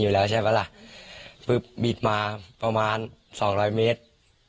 อยู่แล้วใช่ป่าล่ะปึ๊บบิดมาประมาณ๒๐๐เมตร